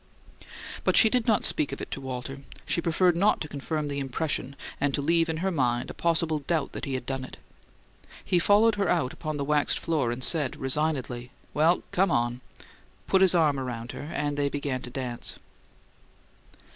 But she did not speak of it to Walter; she preferred not to confirm the impression and to leave in her mind a possible doubt that he had done it. He followed her out upon the waxed floor, said resignedly: "Well, come on," put his arm about her, and they began to dance.